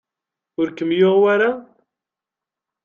Ur kem-yuɣ wara?